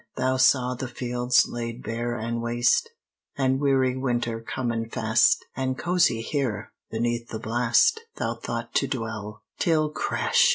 Thou saw the fields laid bare an' waste, An' weary winter comin' fast, An' cozie here, beneath the blast, Thou thought to dwell, Till, crash!